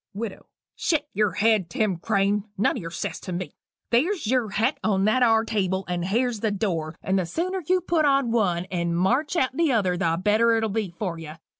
WIDOW. "Shet yer head, Tim Crane nun o' yer sass to me. There's yer hat on that are table, and here's the door and the sooner you put on one and march out o' t'other, the better it'll be for you.